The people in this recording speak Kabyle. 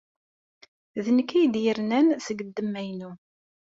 D nekk ay d-yernan seg ddemma-inu.